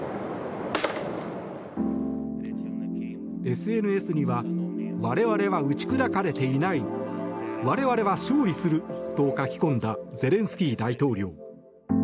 ＳＮＳには我々は打ち砕かれていない我々は勝利すると書き込んだゼレンスキー大統領。